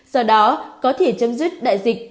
do đó có thể chấm dứt đại dịch